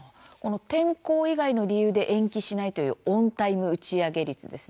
天候以外の理由で延期しないというオンタイム打ち上げ率ですね